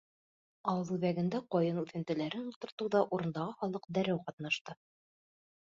Ауыл үҙәгендә ҡайын үҫентеләрен ултыртыуҙа урындағы халыҡ дәррәү ҡатнашты.